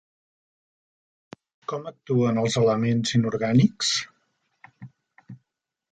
Com actuen els elements inorgànics?